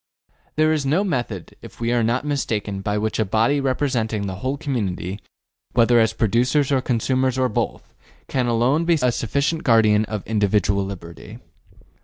There is no method, if we are not mistaken, by which a body representing the whole community, whether as producers or consumers or both, can alone be a sufficient guardian of individual liberty.